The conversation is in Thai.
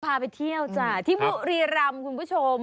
พาไปเที่ยวจ้ะที่บุรีรำคุณผู้ชม